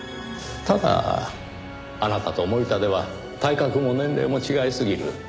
ただあなたと森田では体格も年齢も違いすぎる。